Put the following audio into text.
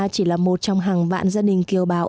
chỉ là một trong hàng vạn gia đình kiều bào